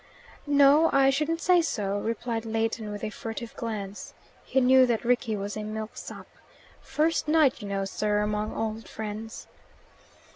"No. I shouldn't say so," replied Leighton, with a furtive glance. He knew that Rickie was a milksop. "First night, you know, sir, among old friends."